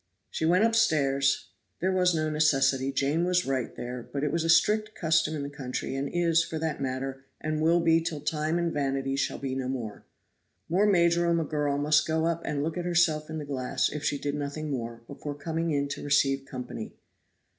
She went upstairs. There was no necessity; Jane was right there; but it was a strict custom in the country, and is, for that matter, and will be till time and vanity shall be no more. More majorum a girl must go up and look at herself in the glass if she did nothing more, before coming in to receive company.